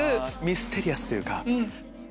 ミステリアスというか。